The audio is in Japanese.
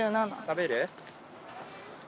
食べる？